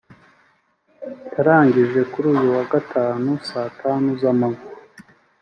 yarangije kuri uyu wa Gatanu saa tanu z’amanywa